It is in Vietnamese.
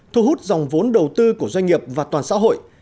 thu hút dòng vốn đầu tư của doanh nghiệp và toàn xã hội